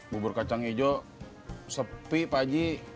bubur kacang hijau sepi pak ji